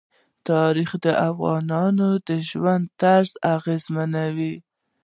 تاریخ د افغانانو د ژوند طرز اغېزمنوي.